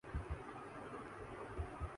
اور مداخلت کو مختلف مقامات پر بیان کیا گیا ہے